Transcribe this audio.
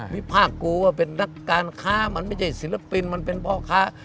ภาคกูว่าเป็นนักการค้ามันไม่ใช่ศิลปินมันเป็นพ่อค้า